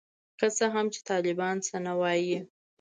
که څه هم چي طالبان څه نه وايي.